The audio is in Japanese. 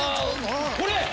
これ！